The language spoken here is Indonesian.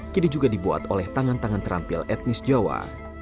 kini juga dibuat oleh tangan tangan terampil etnis jawa